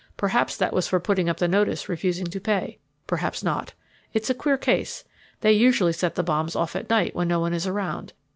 Perhaps that was for putting up the notice refusing to pay. Perhaps not. It's a queer case they usually set the bombs off at night when no one is around.